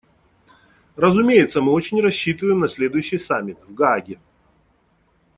Разумеется, мы очень рассчитываем на следующий саммит − в Гааге.